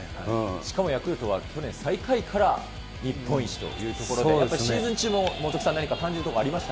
しかもヤクルトは去年最下位から日本一というところで、やっぱりシーズン中も何か元木さん、何か感じるところありました